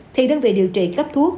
thì đơn vị điều trị cấp thuốc